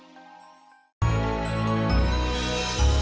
lo kok terlalu